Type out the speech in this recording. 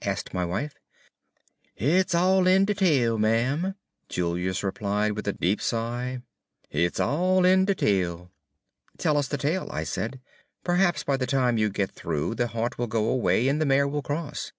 asked my wife. "It's all in de tale, ma'm," Julius replied, with a deep sigh. "It's all in de tale." "Tell us the tale," I said. "Perhaps, by the time you get through, the haunt will go away and the mare will cross."